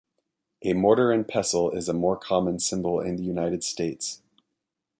A mortar and pestle is a more common symbol in the United States.